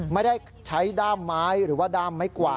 ไม่ได้ใช้ด้ามไม้หรือว่าด้ามไม้กวาด